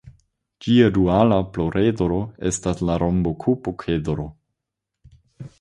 Ĝia duala pluredro estas la rombokub-okedro.